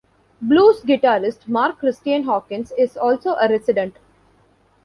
Blues guitarist Mark Christian Hawkins is also a resident.